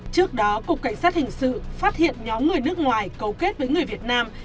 trước đó cục cảnh sát hình sự phát hiện nhóm người nước ngoài cầu kết với người việt nam